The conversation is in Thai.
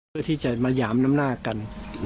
เพื่อที่จะมาหยามน้ำหน้ากัน